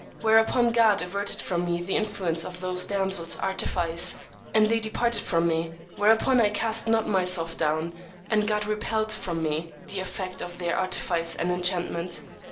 whereupon God averted from me the influence of those damsels' artifice, and they departed from me; therefore I cast not myself down, and God repelled from me the effect of their artifice and enchantment.